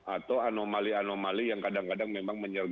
atau anomali anomali yang kadang kadang memang menyergap kita di luar dunia